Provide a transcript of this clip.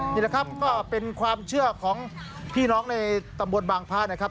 นี่แหละครับก็เป็นความเชื่อของพี่น้องในตำบลบางพระนะครับ